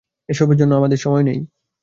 এ সবের জন্য আমাদের সময় নেই।